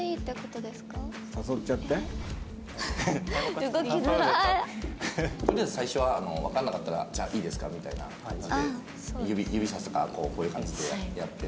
とりあえず最初はわかんなかったら「じゃあいいですか？」みたいな感じで指さすかこういう感じでやって。